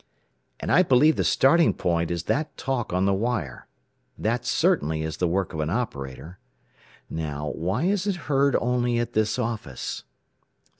"And I believe the starting point is that talk on the wire. That certainly is the work of an operator. "Now, why is it heard only at this office?